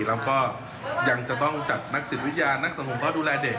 แล้วก็ยังจะต้องจัดนักจิตวิทยานักสังคมเขาดูแลเด็ก